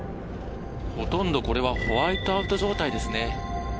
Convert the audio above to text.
ほとんどこれはホワイトアウト状態ですね。